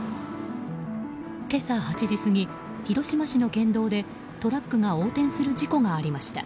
今朝８時過ぎ、広島市の県道でトラックが横転する事故がありました。